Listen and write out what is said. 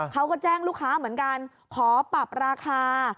เขาก็แจ้งลูกค้าเหมือนกันขอปรับราคา